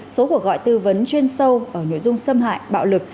số cuộc gọi tư vấn chuyên sâu ở nội dung xâm hại bạo lực